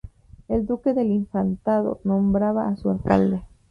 El Duque del Infantado nombraba a su alcalde.